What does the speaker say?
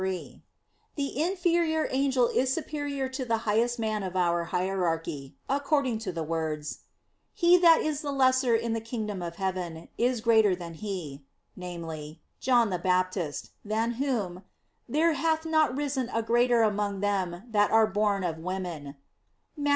3: The inferior angel is superior to the highest man of our hierarchy, according to the words, "He that is the lesser in the kingdom of heaven, is greater than he" namely, John the Baptist, than whom "there hath not risen a greater among them that are born of women" (Matt.